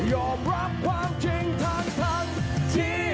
ยอมรับความทรงใจ